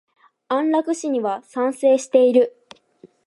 安楽死には賛成している。